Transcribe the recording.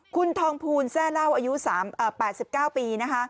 คุณทองปูนแทร่เล่าอายุ๑๘๙ปี